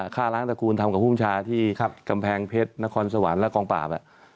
ฆ่าล้างตระกูลทำกับภูมิชาที่กำแพงเพชรนครสวรรค์และกองปราบ